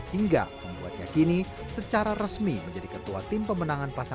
hingga membuatnya kini secara resmi menjadi ketua tim pemenangan pasangan